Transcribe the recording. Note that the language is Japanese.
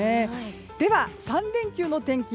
では、３連休の天気